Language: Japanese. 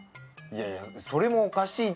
いやいやいやそれもおかしい。